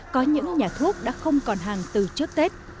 có những nhà thuốc đã không còn hàng từ trước tết